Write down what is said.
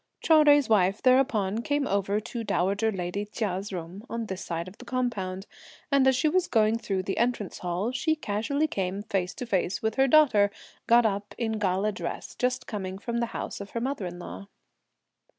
Chou Jui's wife thereupon came over to dowager lady Chia's room on this side of the compound, and as she was going through the Entrance Hall, she casually came, face to face, with her daughter, got up in gala dress, just coming from the house of her mother in law.